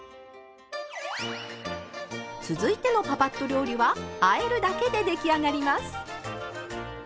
続いてのパパッと料理はあえるだけで出来上がります。